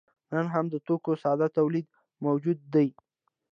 نن هم د توکو ساده تولید موجود دی.